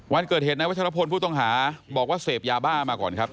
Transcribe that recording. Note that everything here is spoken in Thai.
วันเกิดเหตุนายวัชรพลผู้ต้องหาบอกว่าเสพยาบ้ามาก่อนครับ